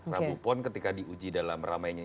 rabu pon ketika diuji dalam ramainya